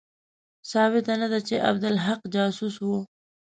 ثابته نه ده چې عبدالحق جاسوس وو.